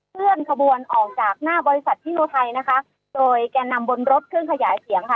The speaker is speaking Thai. เคลื่อนขบวนออกจากหน้าบริษัทพี่อุทัยนะคะโดยแก่นำบนรถเครื่องขยายเสียงค่ะ